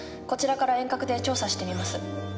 こちらから遠隔で調査してみます。